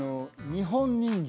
日本人形